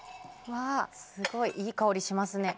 すごいいい香りしますね。